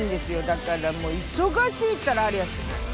だからもう忙しいったらありゃしない。